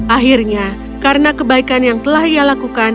akhirnya karena kebaikanmu